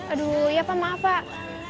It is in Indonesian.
aduh ya pak maaf pak